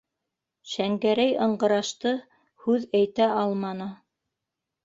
Шәңгәрәй ыңғырашты, һүҙ әйтә алманы.